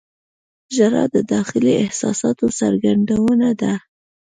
• ژړا د داخلي احساساتو څرګندونه ده.